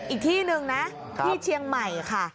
อีกที่หนึ่งนะที่เชียงใหม่ค่ะ